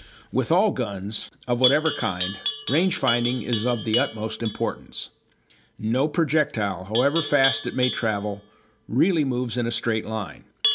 With all guns, of whatever kind, range finding is of the utmost importance. No projectile, however fast it may travel, really moves in a straight line.